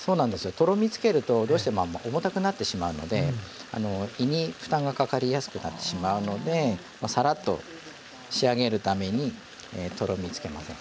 とろみつけるとどうしても重たくなってしまうので胃に負担がかかりやすくなってしまうのでサラッと仕上げるためにとろみつけません。